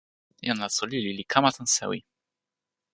jan laso lili li kama tan sewi.